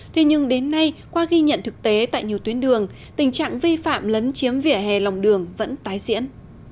thế nhưng đến nay qua ghi nhận thực tế tại nhiều tuyến đường tình trạng vi phạm lấn chiếm vỉa hè lòng đường vẫn tái diễn